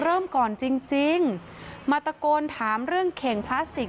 เริ่มก่อนจริงจริงมาตะโกนถามเรื่องเข่งพลาสติก